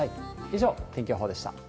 以上、天気予報でした。